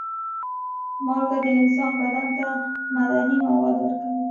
مالګه د انسان بدن ته معدني مواد ورکوي.